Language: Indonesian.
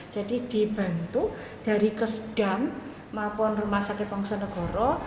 jadi dibantu dari kesedam maupun rumah sakit pongsonegoro